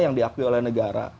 yang diakui oleh negara